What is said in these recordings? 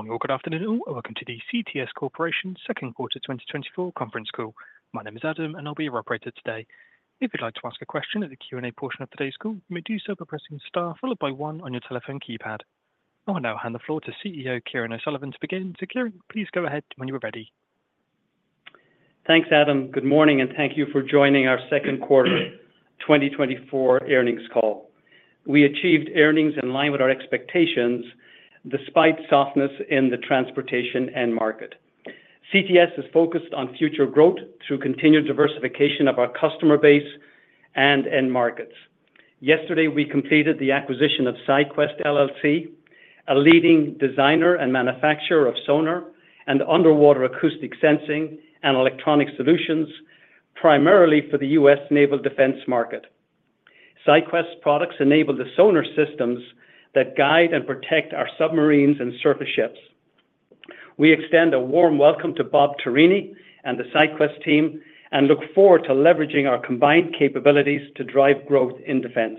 Good morning or good afternoon or welcome to the CTS Corporation Second Quarter 2024 Conference Call. My name is Adam, and I'll be your operator today. If you'd like to ask a question at the Q&A portion of today's call, you may do so by pressing star followed by one on your telephone keypad. I'll now hand the floor to CEO Kieran O'Sullivan to begin. So Kieran, please go ahead when you're ready. Thanks, Adam. Good morning, and thank you for joining our Second Quarter 2024 earnings call. We achieved earnings in line with our expectations despite softness in the transportation end market. CTS is focused on future growth through continued diversification of our customer base and end markets. Yesterday, we completed the acquisition of SyQwest, LLC, a leading designer and manufacturer of sonar and underwater acoustic sensing and electronic solutions, primarily for the U.S. naval defense market. SyQwest's products enable the sonar systems that guide and protect our submarines and surface ships. We extend a warm welcome to Bob Tarini and the SyQwest team and look forward to leveraging our combined capabilities to drive growth in defense.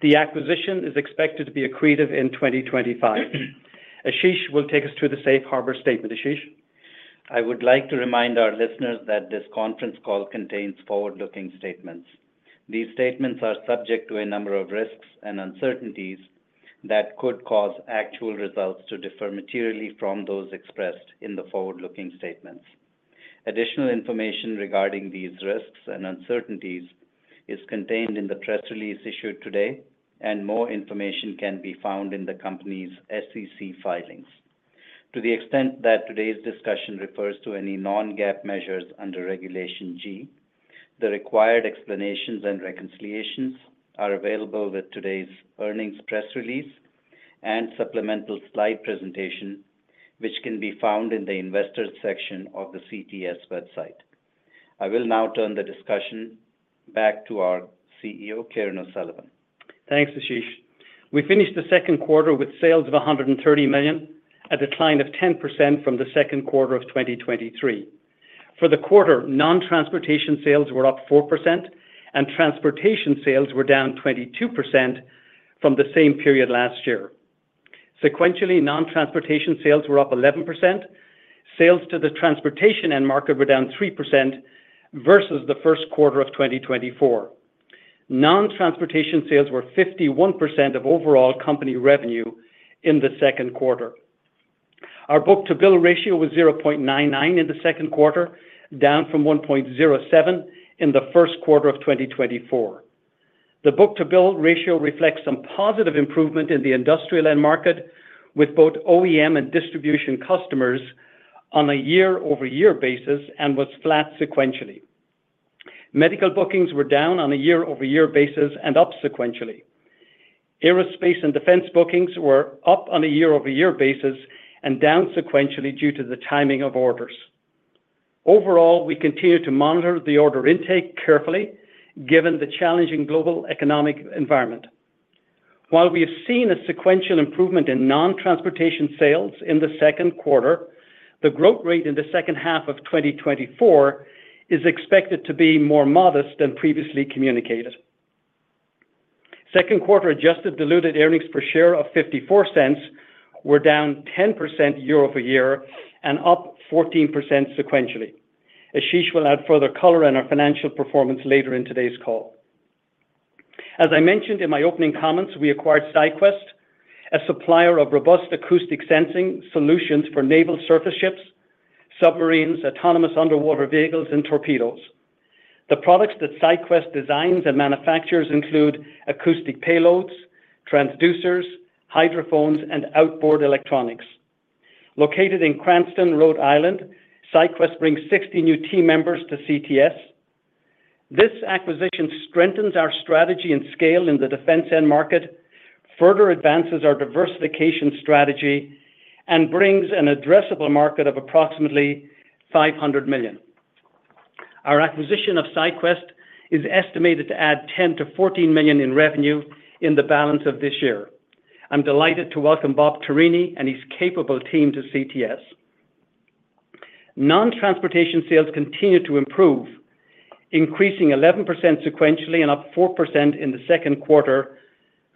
The acquisition is expected to be accretive in 2025. Ashish will take us through the Safe Harbor statement. Ashish. I would like to remind our listeners that this conference call contains forward-looking statements. These statements are subject to a number of risks and uncertainties that could cause actual results to differ materially from those expressed in the forward-looking statements. Additional information regarding these risks and uncertainties is contained in the press release issued today, and more information can be found in the company's SEC filings. To the extent that today's discussion refers to any non-GAAP measures under Regulation G, the required explanations and reconciliations are available with today's earnings press release and supplemental slide presentation, which can be found in the investors' section of the CTS website. I will now turn the discussion back to our CEO, Kieran O'Sullivan. Thanks, Ashish. We finished the second quarter with sales of $130 million, a decline of 10% from the second quarter of 2023. For the quarter, non-transportation sales were up 4%, and transportation sales were down 22% from the same period last year. Sequentially, non-transportation sales were up 11%. Sales to the transportation end market were down 3% versus the first quarter of 2024. Non-transportation sales were 51% of overall company revenue in the second quarter. Our book-to-bill ratio was 0.99 in the second quarter, down from 1.07 in the first quarter of 2024. The book-to-bill ratio reflects some positive improvement in the industrial end market, with both OEM and distribution customers on a year-over-year basis and was flat sequentially. Medical bookings were down on a year-over-year basis and up sequentially. Aerospace and defense bookings were up on a year-over-year basis and down sequentially due to the timing of orders. Overall, we continue to monitor the order intake carefully given the challenging global economic environment. While we have seen a sequential improvement in non-transportation sales in the second quarter, the growth rate in the second half of 2024 is expected to be more modest than previously communicated. Second quarter adjusted diluted earnings per share of $0.54 were down 10% year-over-year and up 14% sequentially. Ashish will add further color in our financial performance later in today's call. As I mentioned in my opening comments, we acquired SyQwest, a supplier of robust acoustic sensing solutions for naval surface ships, submarines, autonomous underwater vehicles, and torpedoes. The products that SyQwest designs and manufactures include acoustic payloads, transducers, hydrophones, and outboard electronics. Located in Cranston, Rhode Island, SyQwest brings 60 new team members to CTS. This acquisition strengthens our strategy and scale in the defense end market, further advances our diversification strategy, and brings an addressable market of approximately $500 million. Our acquisition of SyQwest is estimated to add $10 million-$14 million in revenue in the balance of this year. I'm delighted to welcome Bob Tarini and his capable team to CTS. Non-transportation sales continue to improve, increasing 11% sequentially and up 4% in the second quarter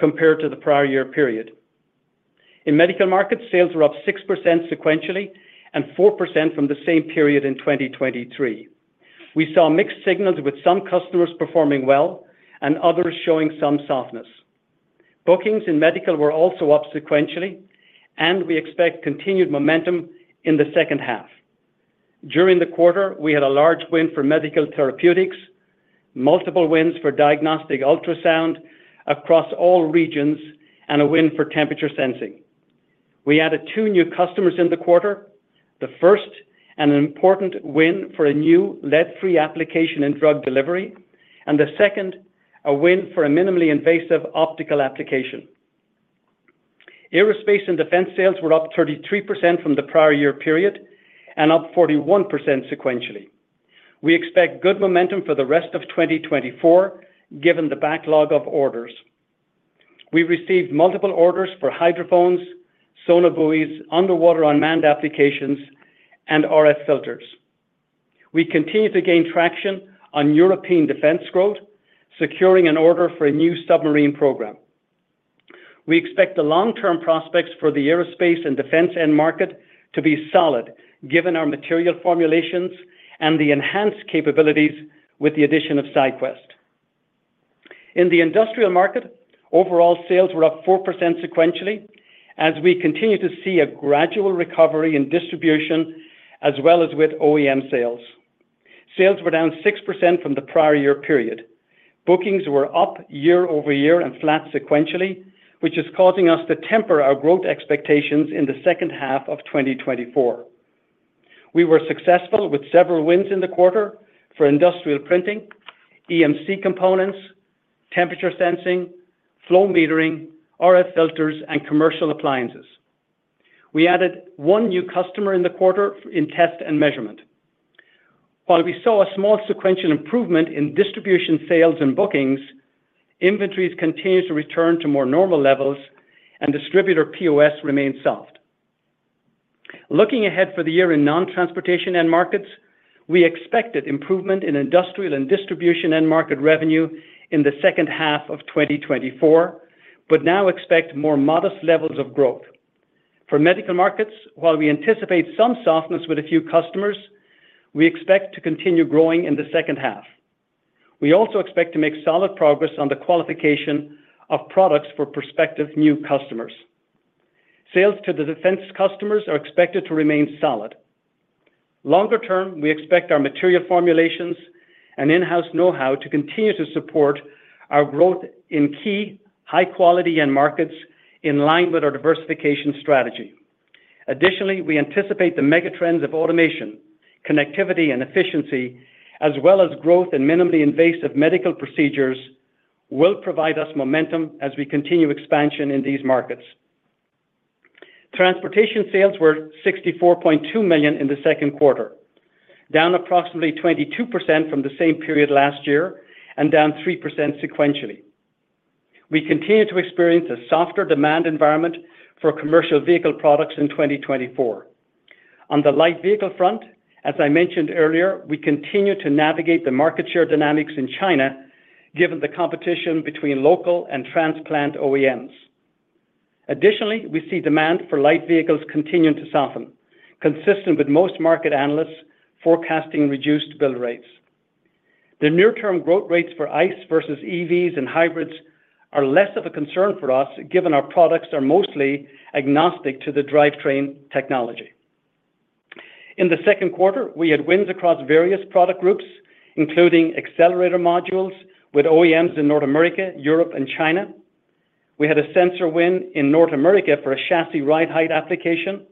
compared to the prior year period. In medical markets, sales were up 6% sequentially and 4% from the same period in 2023. We saw mixed signals with some customers performing well and others showing some softness. Bookings in medical were also up sequentially, and we expect continued momentum in the second half. During the quarter, we had a large win for medical therapeutics, multiple wins for diagnostic ultrasound across all regions, and a win for temperature sensing. We added two new customers in the quarter the first, an important win for a new lead-free application in drug delivery, and the second, a win for a minimally invasive optical application. Aerospace and defense sales were up 33% from the prior year period and up 41% sequentially. We expect good momentum for the rest of 2024 given the backlog of orders. We received multiple orders for hydrophones, sonobuoys, underwater unmanned applications, and RF filters. We continue to gain traction on European defense growth, securing an order for a new submarine program. We expect the long-term prospects for the aerospace and defense end market to be solid given our material formulations and the enhanced capabilities with the addition of SyQwest. In the industrial market, overall sales were up 4% sequentially as we continue to see a gradual recovery in distribution as well as with OEM sales. Sales were down 6% from the prior year period. Bookings were up year-over-year and flat sequentially, which is causing us to temper our growth expectations in the second half of 2024. We were successful with several wins in the quarter for industrial printing, EMC components, temperature sensing, flow metering, RF filters, and commercial appliances. We added one new customer in the quarter in test and measurement. While we saw a small sequential improvement in distribution sales and bookings, inventories continued to return to more normal levels, and distributor POS remained soft. Looking ahead for the year in non-transportation end markets, we expected improvement in industrial and distribution end market revenue in the second half of 2024, but now expect more modest levels of growth. For medical markets, while we anticipate some softness with a few customers, we expect to continue growing in the second half. We also expect to make solid progress on the qualification of products for prospective new customers. Sales to the defense customers are expected to remain solid. Longer term, we expect our material formulations and in-house know-how to continue to support our growth in key high-quality end markets in line with our diversification strategy. Additionally, we anticipate the megatrends of automation, connectivity, and efficiency, as well as growth in minimally invasive medical procedures, will provide us momentum as we continue expansion in these markets. Transportation sales were $64.2 million in the second quarter, down approximately 22% from the same period last year and down 3% sequentially. We continue to experience a softer demand environment for commercial vehicle products in 2024. On the light vehicle front, as I mentioned earlier, we continue to navigate the market share dynamics in China given the competition between local and transplant OEMs. Additionally, we see demand for light vehicles continuing to soften, consistent with most market analysts forecasting reduced build rates. The near-term growth rates for ICE versus EVs and hybrids are less of a concern for us given our products are mostly agnostic to the drivetrain technology. In the second quarter, we had wins across various product groups, including accelerator modules with OEMs in North America, Europe, and China. We had a sensor win in North America for a chassis ride height application.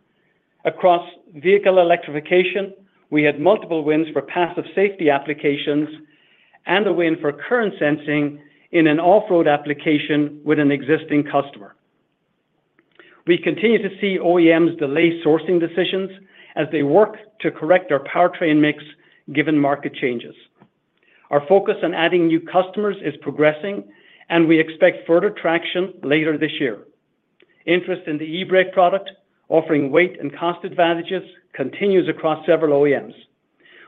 Across vehicle electrification, we had multiple wins for passive safety applications and a win for current sensing in an off-road application with an existing customer. We continue to see OEMs delay sourcing decisions as they work to correct our powertrain mix given market changes. Our focus on adding new customers is progressing, and we expect further traction later this year. Interest in the eBrake product, offering weight and cost advantages, continues across several OEMs.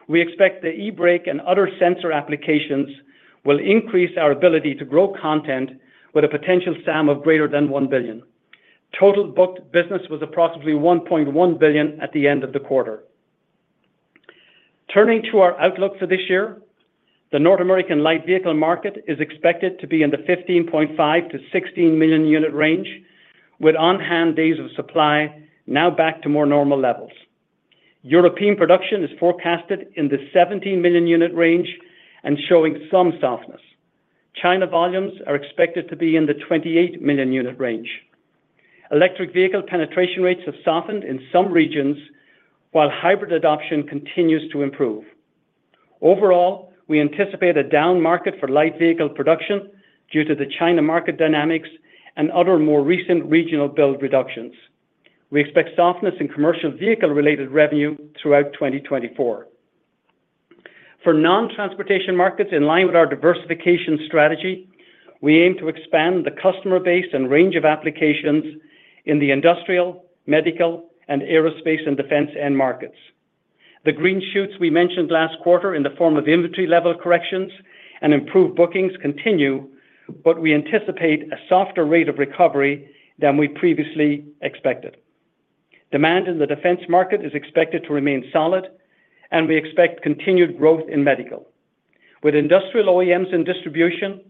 We expect the eBrake and other sensor applications will increase our ability to grow content with a potential TAM of greater than $1 billion. Total booked business was approximately $1.1 billion at the end of the quarter. Turning to our outlook for this year, the North American light vehicle market is expected to be in the 15.5 million-16 million unit range, with on-hand days of supply now back to more normal levels. European production is forecasted in the 17 million unit range and showing some softness. China volumes are expected to be in the 28 million unit range. Electric vehicle penetration rates have softened in some regions, while hybrid adoption continues to improve. Overall, we anticipate a down market for light vehicle production due to the China market dynamics and other more recent regional build reductions. We expect softness in commercial vehicle-related revenue throughout 2024. For non-transportation markets, in line with our diversification strategy, we aim to expand the customer base and range of applications in the industrial, medical, and aerospace and defense end markets. The green shoots we mentioned last quarter in the form of inventory-level corrections and improved bookings continue, but we anticipate a softer rate of recovery than we previously expected. Demand in the defense market is expected to remain solid, and we expect continued growth in medical. With industrial OEMs in distribution,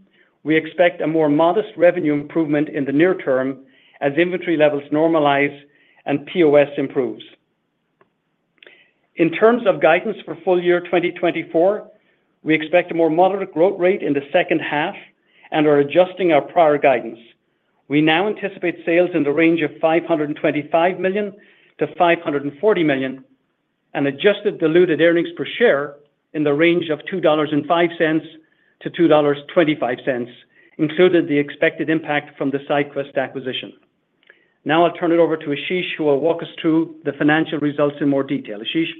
we expect a more modest revenue improvement in the near term as inventory levels normalize and POS improves. In terms of guidance for full year 2024, we expect a more moderate growth rate in the second half and are adjusting our prior guidance. We now anticipate sales in the range of $525 million-$540 million and adjusted diluted earnings per share in the range of $2.05-$2.25, including the expected impact from the SyQwest acquisition. Now I'll turn it over to Ashish, who will walk us through the financial results in more detail. Ashish.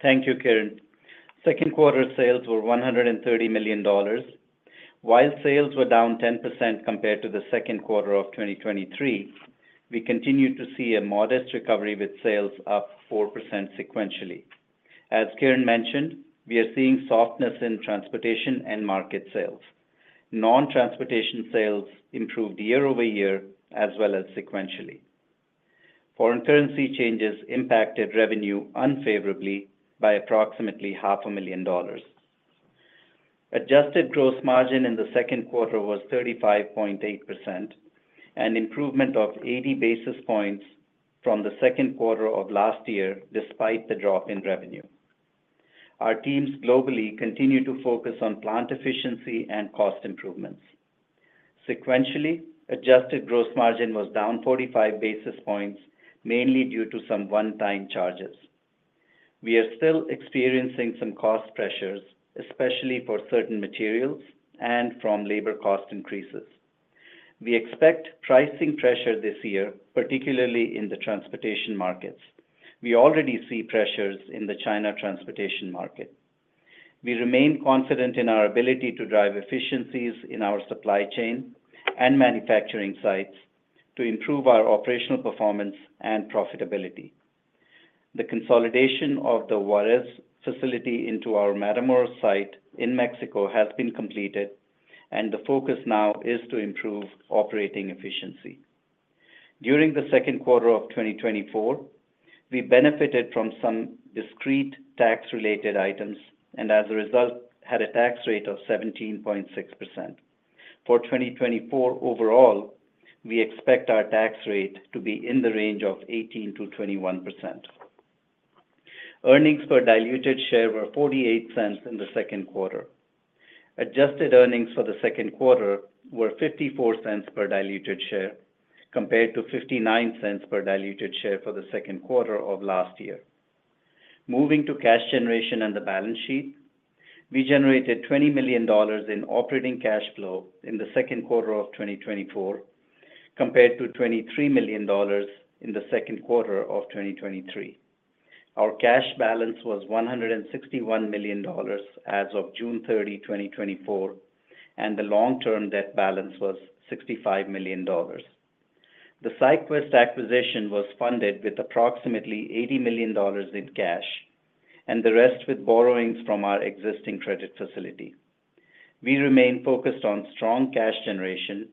Thank you, Kieran. Second quarter sales were $130 million. While sales were down 10% compared to the second quarter of 2023, we continue to see a modest recovery with sales up 4% sequentially. As Kieran mentioned, we are seeing softness in transportation end market sales. Non-transportation sales improved year-over-year as well as sequentially. Foreign currency changes impacted revenue unfavorably by approximately half a million dollars. Adjusted gross margin in the second quarter was 35.8% and improvement of 80 basis points from the second quarter of last year despite the drop in revenue. Our teams globally continue to focus on plant efficiency and cost improvements. Sequentially, adjusted gross margin was down 45 basis points, mainly due to some one-time charges. We are still experiencing some cost pressures, especially for certain materials and from labor cost increases. We expect pricing pressure this year, particularly in the transportation markets. We already see pressures in the China transportation market. We remain confident in our ability to drive efficiencies in our supply chain and manufacturing sites to improve our operational performance and profitability. The consolidation of the Juarez facility into our Matamoros site in Mexico has been completed, and the focus now is to improve operating efficiency. During the second quarter of 2024, we benefited from some discrete tax-related items and, as a result, had a tax rate of 17.6%. For 2024 overall, we expect our tax rate to be in the range of 18%-21%. Earnings per diluted share were $0.48 in the second quarter. Adjusted earnings for the second quarter were $0.54 per diluted share compared to $0.59 per diluted share for the second quarter of last year. Moving to cash generation and the balance sheet, we generated $20 million in operating cash flow in the second quarter of 2024 compared to $23 million in the second quarter of 2023. Our cash balance was $161 million as of June 30, 2024, and the long-term debt balance was $65 million. The SyQwest acquisition was funded with approximately $80 million in cash and the rest with borrowings from our existing credit facility. We remain focused on strong cash generation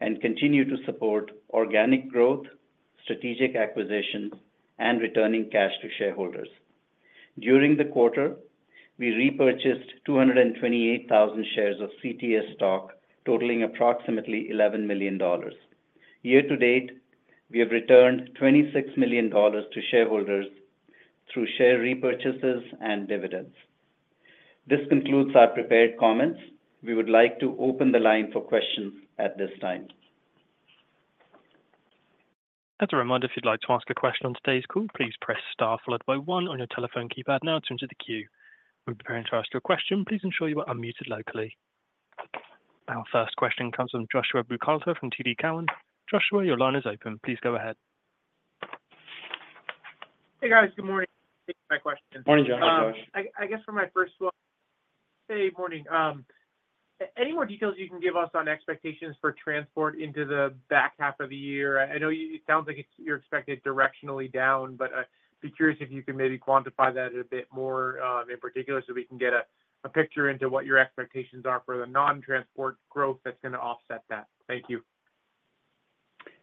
and continue to support organic growth, strategic acquisitions, and returning cash to shareholders. During the quarter, we repurchased 228,000 shares of CTS stock, totaling approximately $11 million. Year-to-date, we have returned $26 million to shareholders through share repurchases and dividends. This concludes our prepared comments. We would like to open the line for questions at this time. As a reminder, if you'd like to ask a question on today's call, please press star one on your telephone keypad now to enter the queue. When preparing to ask your question, please ensure you are unmuted locally. Our first question comes from Joshua Buchalter from TD Cowen. Joshua, your line is open. Please go ahead. Hey, guys. Good morning. Thank you for my question. Morning Josh. I guess for my first one, hey, morning. Any more details you can give us on expectations for transport into the back half of the year? I know it sounds like you're expected directionally down, but I'd be curious if you could maybe quantify that a bit more in particular so we can get a picture into what your expectations are for the non-transport growth that's going to offset that. Thank you.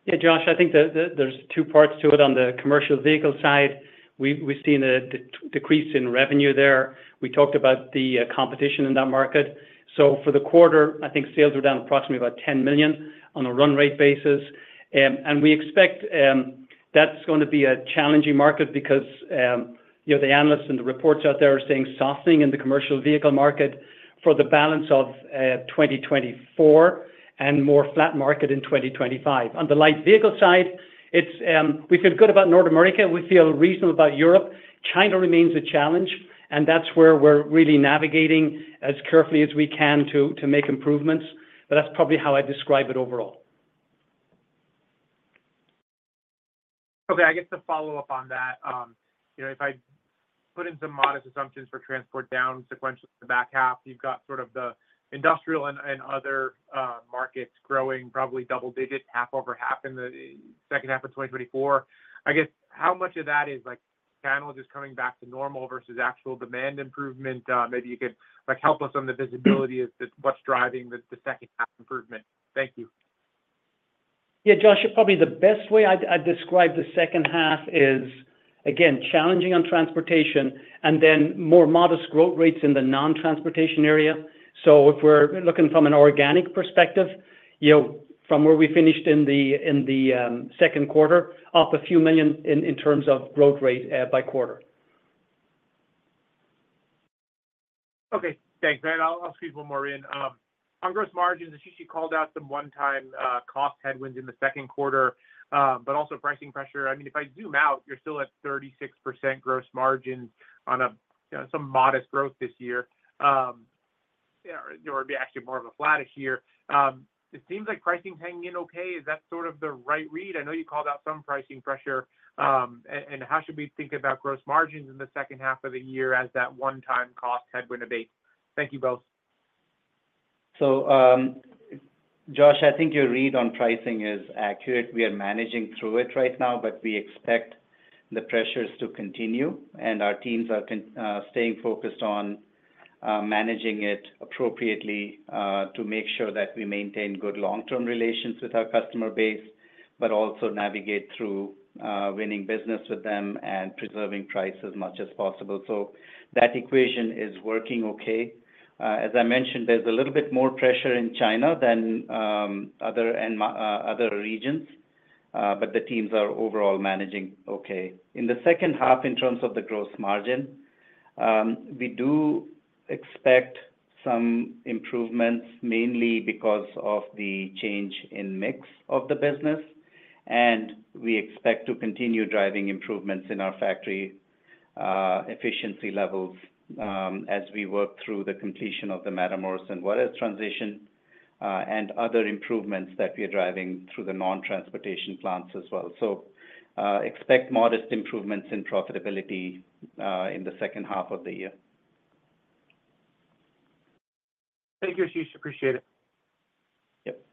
Yeah, Josh, I think there's two parts to it. On the commercial vehicle side, we've seen a decrease in revenue there. We talked about the competition in that market. So for the quarter, I think sales were down approximately about $10 million on a run rate basis. We expect that's going to be a challenging market because the analysts and the reports out there are saying softening in the commercial vehicle market for the balance of 2024 and more flat market in 2025. On the light vehicle side, we feel good about North America. We feel reasonable about Europe. China remains a challenge, and that's where we're really navigating as carefully as we can to make improvements. But that's probably how I'd describe it overall. Okay. I guess to follow up on that, if I put in some modest assumptions for transport down sequentially in the back half, you've got sort of the industrial and other markets growing probably double-digit, half-over-half in the second half of 2024. I guess how much of that is channel just coming back to normal versus actual demand improvement? Maybe you could help us on the visibility as to what's driving the second-half improvement. Thank you. Yeah, Josh, probably the best way I'd describe the second half is, again, challenging on transportation and then more modest growth rates in the non-transportation area. So if we're looking from an organic perspective, from where we finished in the second quarter, up a few million in terms of growth rate by quarter. Okay. Thanks. I'll squeeze one more in. On gross margins, Ashish, you called out some one-time cost headwinds in the second quarter, but also pricing pressure. I mean, if I zoom out, you're still at 36% gross margins on some modest growth this year. It would be actually more of a flattish year. It seems like pricing's hanging in okay. Is that sort of the right read? I know you called out some pricing pressure. And how should we think about gross margins in the second half of the year as that one-time cost headwind abate? Thank you both. So, Josh, I think your read on pricing is accurate. We are managing through it right now, but we expect the pressures to continue. Our teams are staying focused on managing it appropriately to make sure that we maintain good long-term relations with our customer base, but also navigate through winning business with them and preserving price as much as possible. That equation is working okay. As I mentioned, there's a little bit more pressure in China than other regions, but the teams are overall managing okay. In the second half, in terms of the gross margin, we do expect some improvements, mainly because of the change in mix of the business. We expect to continue driving improvements in our factory efficiency levels as we work through the completion of the Matamoros and Juarez transition and other improvements that we are driving through the non-transportation plants as well. Expect modest improvements in profitability in the second half of the year. Thank you, Ashish. Appreciate it. Yep.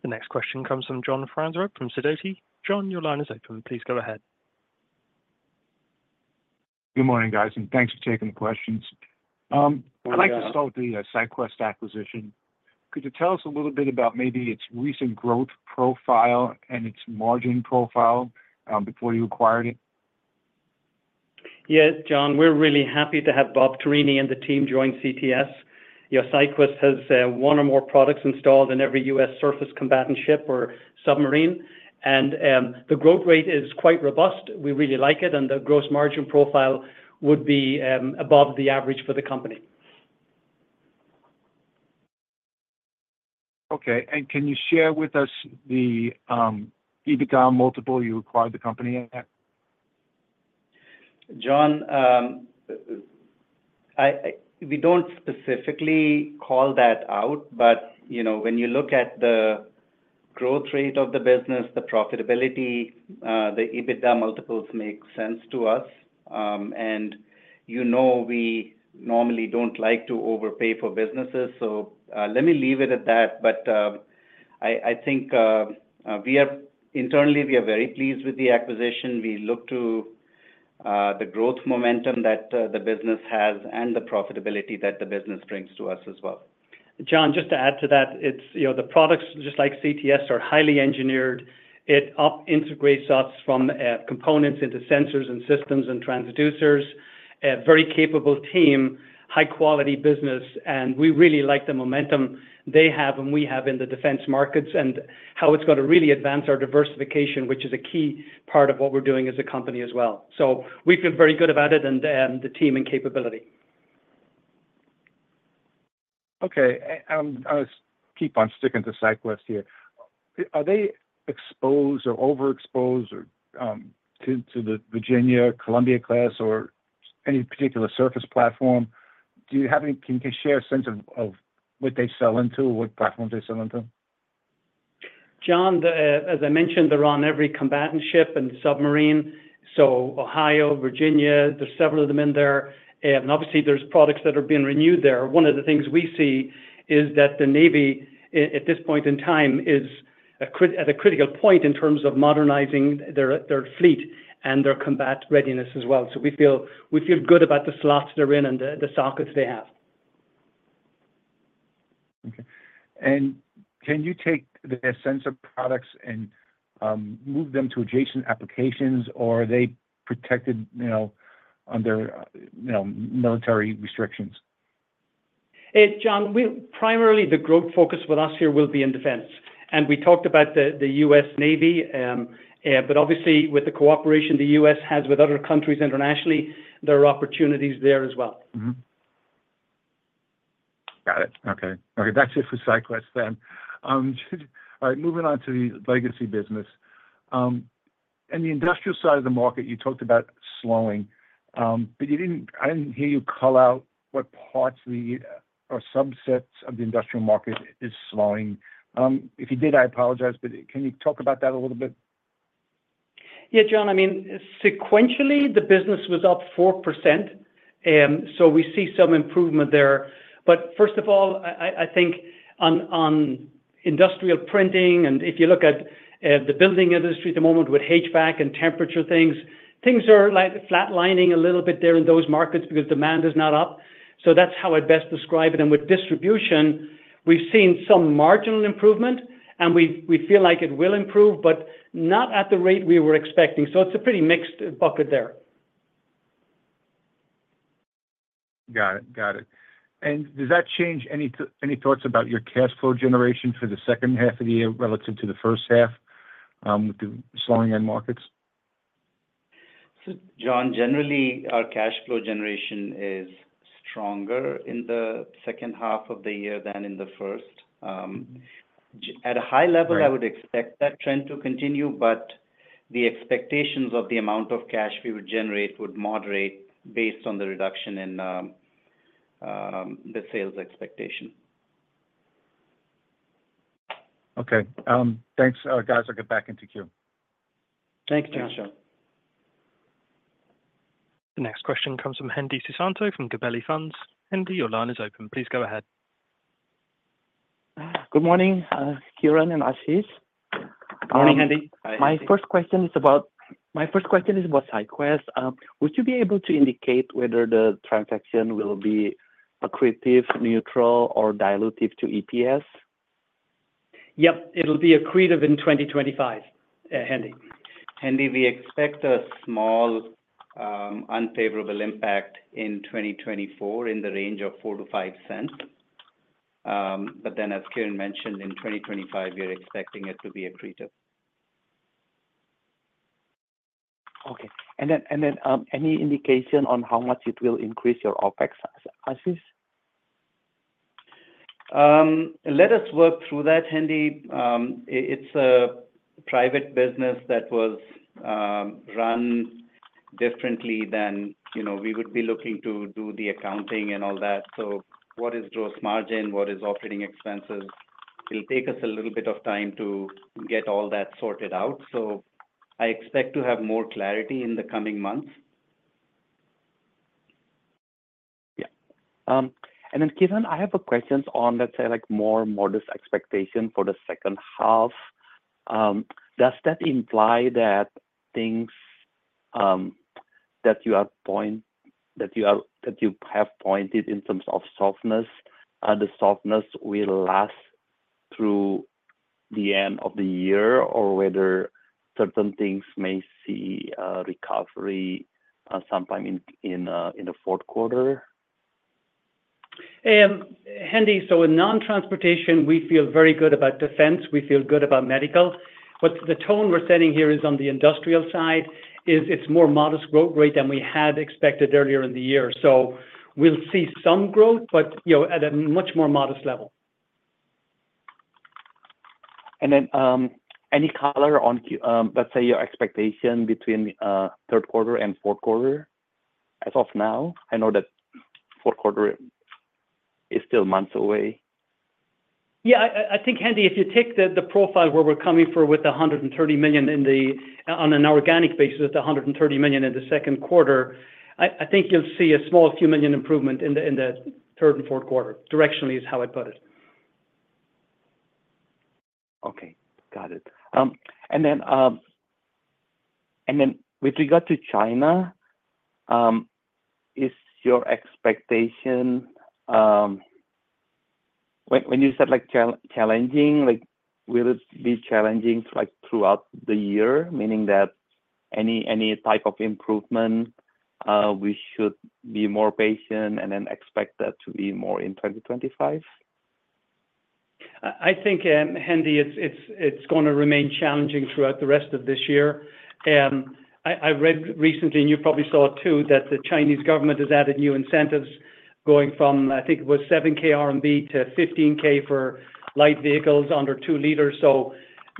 The next question comes from John Franzreb from Sidoti. John, your line is open. Please go ahead. Good morning, guys, and thanks for taking the questions. I'd like to start with the SyQwest acquisition. Could you tell us a little bit about maybe its recent growth profile and its margin profile before you acquired it? Yeah, John, we're really happy to have Bob Tarini and the team join CTS. Your SyQwest has one or more products installed in every U.S. surface combatant ship or submarine. The growth rate is quite robust. We really like it. The gross margin profile would be above the average for the company. Okay. Can you share with us the EBITDA multiple you acquired the company at? John, we don't specifically call that out. But when you look at the growth rate of the business, the profitability, the EBITDA multiples make sense to us. And you know we normally don't like to overpay for businesses. So let me leave it at that. But I think internally, we are very pleased with the acquisition. We look to the growth momentum that the business has and the profitability that the business brings to us as well. John, just to add to that, the products, just like CTS, are highly engineered. It integrates us from components into sensors and systems and transducers. Very capable team, high-quality business. And we really like the momentum they have and we have in the defense markets and how it's going to really advance our diversification, which is a key part of what we're doing as a company as well. So we feel very good about it and the team and capability. Okay. I'll just keep on sticking to SyQwest here. Are they exposed or overexposed to the Virginia, Columbia class or any particular surface platform? Do you have any, can you share a sense of what they sell into, what platforms they sell into? John, as I mentioned, they're on every combatant ship and submarine. So Ohio, Virginia, there's several of them in there. And obviously, there's products that are being renewed there. One of the things we see is that the Navy, at this point in time, is at a critical point in terms of modernizing their fleet and their combat readiness as well. So we feel good about the slots they're in and the sockets they have. Okay. And can you take their sensor products and move them to adjacent applications, or are they protected under military restrictions? John, primarily, the growth focus with us here will be in defense. We talked about the U.S. Navy. Obviously, with the cooperation the U.S. has with other countries internationally, there are opportunities there as well. Got it. Okay. Okay. That's it for SyQwest then. All right. Moving on to the legacy business. In the industrial side of the market, you talked about slowing. But I didn't hear you call out what parts or subsets of the industrial market is slowing. If you did, I apologize. But can you talk about that a little bit? Yeah, John. I mean, sequentially, the business was up 4%. So we see some improvement there. But first of all, I think on industrial printing and if you look at the building industry at the moment with HVAC and temperature things, things are flatlining a little bit there in those markets because demand is not up. So that's how I'd best describe it. And with distribution, we've seen some marginal improvement, and we feel like it will improve, but not at the rate we were expecting. So it's a pretty mixed bucket there. Got it. Got it. And does that change any thoughts about your cash flow generation for the second half of the year relative to the first half with the slowing in markets? John, generally, our cash flow generation is stronger in the second half of the year than in the first. At a high level, I would expect that trend to continue, but the expectations of the amount of cash we would generate would moderate based on the reduction in the sales expectation. Okay. Thanks. Guys, I'll get back into queue. Thanks, John. Thanks, John. The next question comes from Hendi Susanto from Gabelli Funds. Hendi, your line is open. Please go ahead. Good morning, Kieran and Ashish. Morning, Hendi. Hi. My first question is about SyQwest. Would you be able to indicate whether the transaction will be accretive, neutral, or dilutive to EPS? Yep. It'll be accretive in 2025, Hendi. Hendi, we expect a small unfavorable impact in 2024 in the range of $0.04-$0.05. But then, as Kieran mentioned, in 2025, we're expecting it to be accretive. Okay. And then any indication on how much it will increase your OpEx, Ashish? Let us work through that, Hendi. It's a private business that was run differently than we would be looking to do the accounting and all that. So what is gross margin? What is operating expenses? It'll take us a little bit of time to get all that sorted out. So I expect to have more clarity in the coming months. Yeah. And then, Kieran, I have a question on, let's say, more modest expectation for the second half. Does that imply that things that you have pointed in terms of softness, the softness will last through the end of the year, or whether certain things may see a recovery sometime in the fourth quarter? Hendi, so in non-transportation, we feel very good about defense. We feel good about medical. But the tone we're sending here is on the industrial side is it's more modest growth rate than we had expected earlier in the year. So we'll see some growth, but at a much more modest level. And then any color on, let's say, your expectation between third quarter and fourth quarter as of now? I know that fourth quarter is still months away. Yeah. I think, Hendi, if you take the profile where we're coming for with $130 million on an organic basis with $130 million in the second quarter, I think you'll see a small few million dollar improvement in the third and fourth quarter. Directionally is how I'd put it. Okay. Got it. And then with regard to China, is your expectation when you said challenging, will it be challenging throughout the year, meaning that any type of improvement, we should be more patient and then expect that to be more in 2025? I think, Hendi, it's going to remain challenging throughout the rest of this year. I read recently, and you probably saw it too, that the Chinese government has added new incentives going from, I think it was 7,000 RMB to 15,000 for light vehicles under 2 liters. So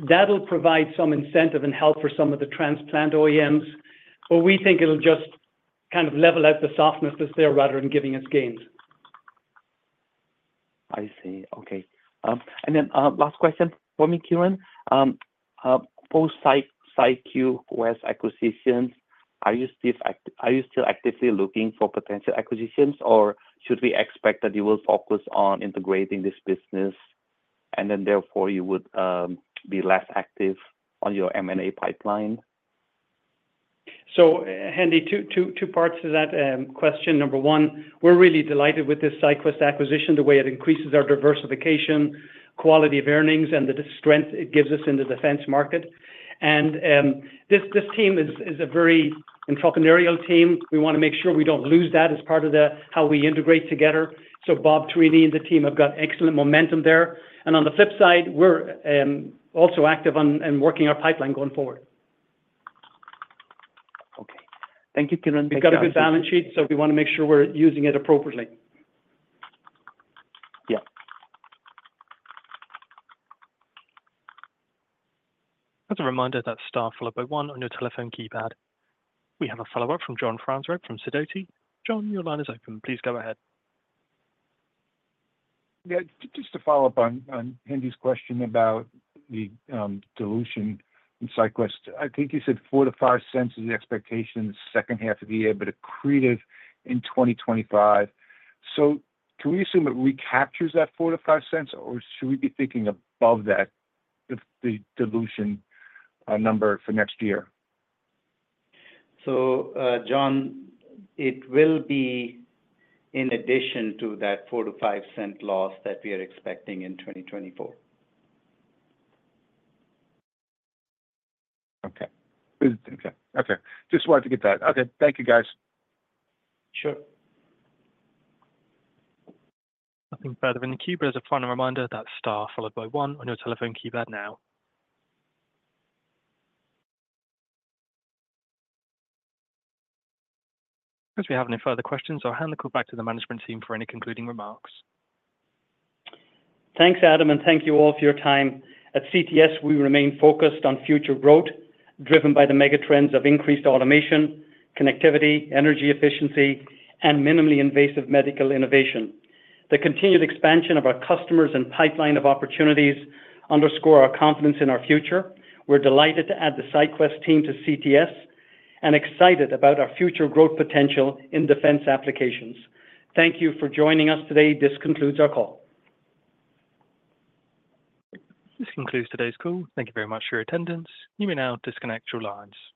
that'll provide some incentive and help for some of the transplant OEMs. But we think it'll just kind of level out the softness that's there rather than giving us gains. I see. Okay. And then last question for me, Kieran. Post-SyQwest acquisitions, are you still actively looking for potential acquisitions, or should we expect that you will focus on integrating this business and then therefore you would be less active on your M&A pipeline? So, Hendi, two parts to that question. Number one, we're really delighted with this SyQwest acquisition, the way it increases our diversification, quality of earnings, and the strength it gives us in the defense market. And this team is a very entrepreneurial team. We want to make sure we don't lose that as part of how we integrate together. So Bob Tarini and the team have got excellent momentum there. And on the flip side, we're also active and working our pipeline going forward. Okay. Thank you, Kieran. We've got a good balance sheet, so we want to make sure we're using it appropriately. Yeah. As a reminder, that's star followed by one on your telephone keypad. We have a follow-up from John Franzreb from Sidoti. John, your line is open. Please go ahead. Yeah. Just to follow up on Hendi's question about the dilution in SyQwest, I think you said $0.04-$0.05 is the expectation in the second half of the year, but accretive in 2025. So can we assume it recaptures that $0.04-$0.05, or should we be thinking above that, the dilution number for next year? So, John, it will be in addition to that $0.04-$0.05 loss that we are expecting in 2024. Okay. Okay. Okay. Just wanted to get that. Okay. Thank you, guys. Sure. Nothing further in the queue. But as a final reminder, that's star followed by one on your telephone keypad now. Unless we have any further questions, I'll hand the call back to the management team for any concluding remarks. Thanks, Adam, and thank you all for your time. At CTS, we remain focused on future growth driven by the mega trends of increased automation, connectivity, energy efficiency, and minimally invasive medical innovation. The continued expansion of our customers and pipeline of opportunities underscore our confidence in our future. We're delighted to add the SyQwest team to CTS and excited about our future growth potential in defense applications. Thank you for joining us today. This concludes our call. This concludes today's call. Thank you very much for your attendance. You may now disconnect your lines.